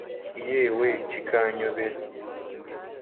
iyewewe kikanyobera